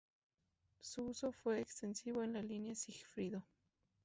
Su uso fue extensivo en la Línea Sigfrido.